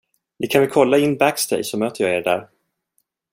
Ni kan väl kolla in backstage så möter jag er där?